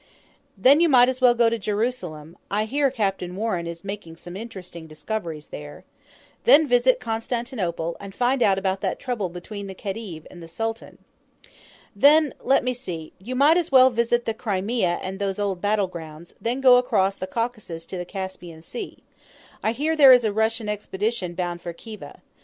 "Then you might as well go to Jerusalem; I hear Captain Warren is making some interesting discoveries there. Then visit Constantinople, and find out about that trouble between the Khedive and the Sultan. "Then let me see you might as well visit the Crimea and those old battle grounds, Then go across the Caucasus to the Caspian Sea; I hear there is a Russian expedition bound for Khiva.